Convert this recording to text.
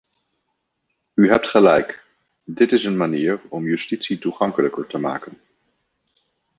U hebt gelijk, dit is een manier om justitie toegankelijker te maken.